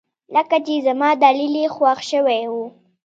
لکه چې زما دليل يې خوښ شوى و.